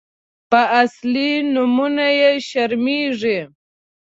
_په اصلي نومونو يې شرمېږي.